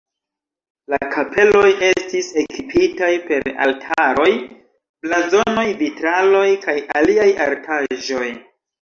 La kapeloj estis ekipitaj per altaroj, blazonoj, vitraloj kaj aliaj artaĵoj.